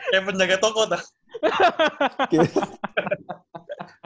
kayak penjaga toko tau